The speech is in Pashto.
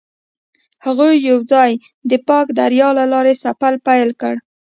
هغوی یوځای د پاک دریا له لارې سفر پیل کړ.